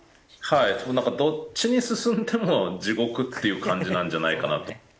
なんかどっちに進んでも地獄っていう感じなんじゃないかなと。